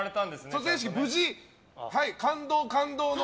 卒園式、無事感動、感動の。